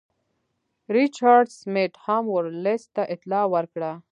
ریچارډ سمیت هم ورلسټ ته اطلاع ورکړه.